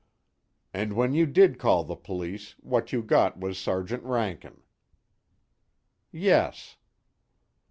"And when you did call the police, what you got was Sergeant Rankin." "Yes."